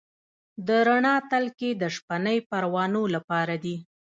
د رڼا تلکې د شپنۍ پروانو لپاره دي؟